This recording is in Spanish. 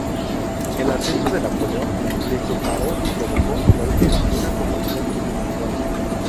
El ascenso de Napoleón les separó y provocó en la última una conversión intelectual.